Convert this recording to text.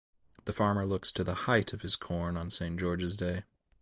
The farmer looks to the height of his corn on St. George's Day.